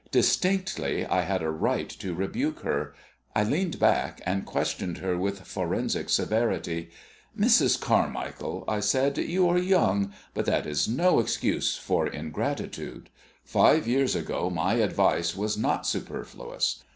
Distinctly, I had a right to rebuke her. I leaned back, and questioned her with forensic severity. "Mrs. Carmichael," I said, "you are young, but that is no excuse for ingratitude. Five years ago my advice was not superfluous.